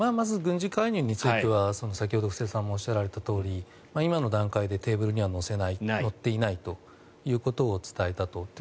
軍事介入については先ほど布施さんもおっしゃられたとおり今の段階でテーブルに乗せない乗っていないということを伝えたと。